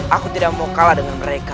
aku tidak mau kalah dengan mereka